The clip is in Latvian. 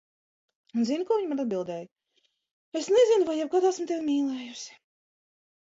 Un zini, ko viņa man atbildēja, "Es nezinu, vai jebkad esmu tevi mīlējusi."